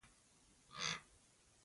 ظالمانه او توهینونکی وېش وو.